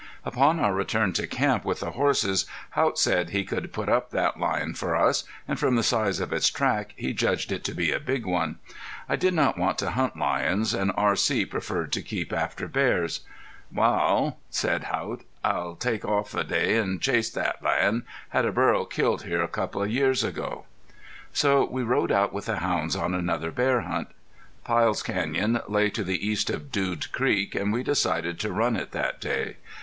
Upon our return to camp with the horses Haught said he could put up that lion for us, and from the size of its track he judged it to be a big one. I did not want to hunt lions and R.C. preferred to keep after bears. "Wal," said Haught, "I'll take an off day an' chase thet lion. Had a burro killed here a couple of years ago." So we rode out with the hounds on another bear hunt. Pyle's Canyon lay to the east of Dude Creek, and we decided to run it that day.